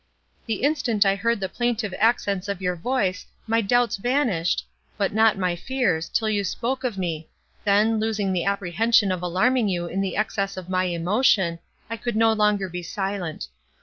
The instant I heard the plaintive accents of your voice, my doubts vanished, but not my fears, till you spoke of me; then, losing the apprehension of alarming you in the excess of my emotion, I could no longer be silent.